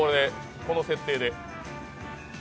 この設定で。